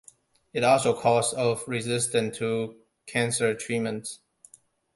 It is also a cause of resistance to cancer treatments.